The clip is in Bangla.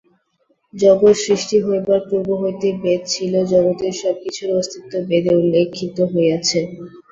জগৎ সৃষ্ট হইবার পূর্ব হইতেই বেদ ছিল, জগতের সব-কিছুর অস্তিত্ব বেদে উল্লিখিত হইয়াছে।